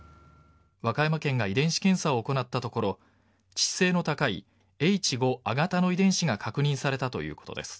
和歌山県が遺伝子検査を行ったところ致死性の高いＨ５亜型の遺伝子が確認されたということです。